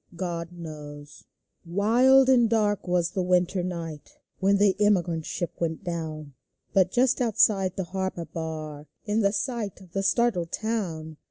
"GOD KNOWS" Wild and dark was the winter night When the emigrant ship went down, But just outside of the harbor bar, In the sight of the startled town.